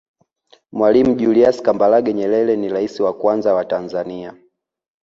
mwalimu julias kambarage nyerere ni raisi wa kwanza wa tanzania